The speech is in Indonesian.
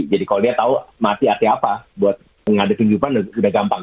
jadi kalau dia tahu mati arti apa buat menghadapi kehidupan udah gampang